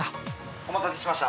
お待たせしました。